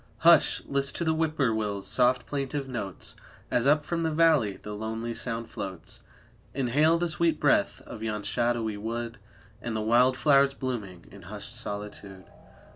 Hush! list to the Whip poor will's soft plaintive notes, As up from the valley the lonely sound floats, Inhale the sweet breath of yon shadowy wood And the wild flowers blooming in hushed solitude.